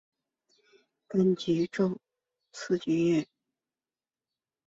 柑桔皱叶刺节蜱为节蜱科皱叶刺节蜱属下的一个种。